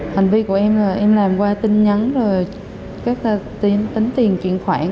hành vi của em là em làm qua tin nhắn rồi các em tính tiền chuyển khoản